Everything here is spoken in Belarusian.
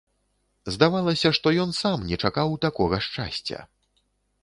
Здавалася, што ён сам не чакаў такога шчасця.